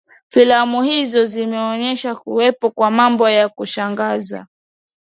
filamu hizo zimeonyesha kuwepo kwa mambo ya kushangaza